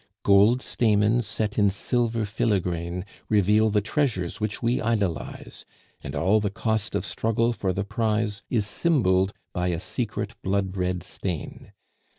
Gold stamens set in silver filigrane Reveal the treasures which we idolize; And all the cost of struggle for the prize Is symboled by a secret blood red stain.